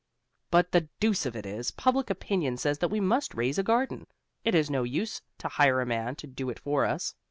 But the deuce of it is, public opinion says that we must raise a garden. It is no use to hire a man to do it for us.